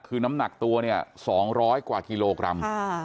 คือน้ำหนักตัวเนี่ย๒๐๐กว่ากิโลกรัม